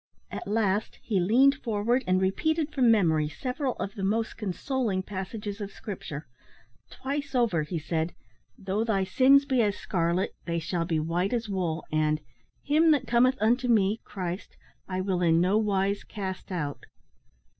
At last he leaned forward, and repeated from memory several of the most consoling passages of Scripture. Twice over he said, "Though thy sins be as scarlet, they shall be white as wool," and, "Him that cometh unto Me, (Christ), I will in no wise cast out."